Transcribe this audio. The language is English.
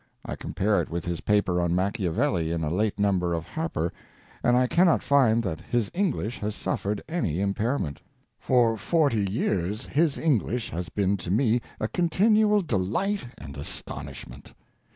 I compare it with his paper on Machiavelli in a late number of Harper, and I cannot find that his English has suffered any impairment. For forty years his English has been to me a continual delight and astonishment.